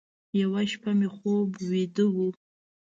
یوه شپه مې خوب ویده و،